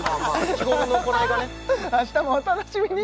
日頃の行いがねあしたもお楽しみに！